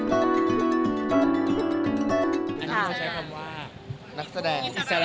อันนี้จะใช้คำว่านักแสดงอิสระเรียบร้อย